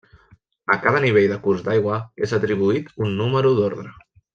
A cada nivell de curs d'aigua és atribuït un número d'ordre.